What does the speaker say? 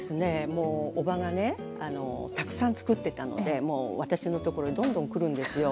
もうおばがねたくさん作ってたのでもう私のところにどんどん来るんですよ。